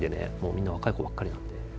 みんな若い子ばっかりなんで。